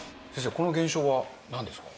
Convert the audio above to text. この現象はなんですか？